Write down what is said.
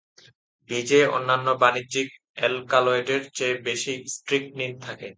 বীজে অন্যান্য বাণিজ্যিক অ্যালকালয়েডের চেয়ে বেশি স্ট্রিকনিন থাকে।